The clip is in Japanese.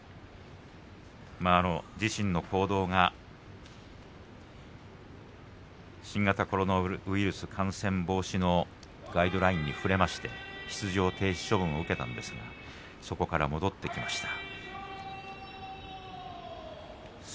自身の行動が新型コロナウイルス感染防止のガイドラインに触れて出場停止を受けてそこから戻ってきました阿炎です。